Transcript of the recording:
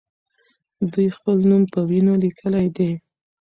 دوی خپل نوم په وینو لیکلی دی.